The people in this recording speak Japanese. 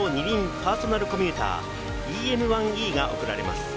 パーソナルコミューター「ＥＭ１ｅ：」が贈られます。